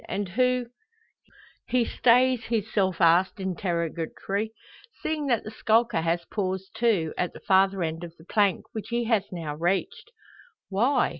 And who " He stays his self asked interrogatory, seeing that the skulker has paused too at the farther end of the plank, which he has now reached. Why?